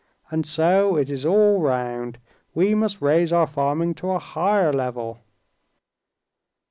And so it is all round. We must raise our farming to a higher level."